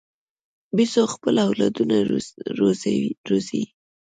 بیزو خپل اولادونه روزي.